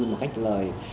một cách lời